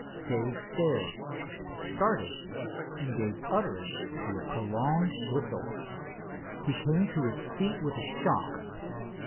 Dave stared, started and gave utterance to a prolonged whistle. He came to his feet with a shock.